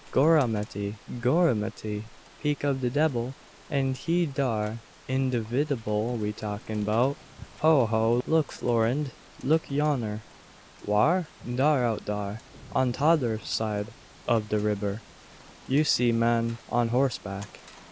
Goramity Goramity! 'Peak ob de debbil and he dar de berry individible we talkin' 'bout. Ho, ho! look Florinde; look yonner!" "Whar?" "Dar out dar, on todder side ob de ribber. You see man on horseback.